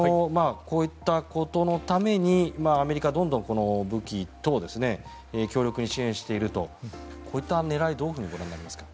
こういったことのためにアメリカはどんどん武器等を強力に支援しているとこういった狙いはどうご覧になりますか？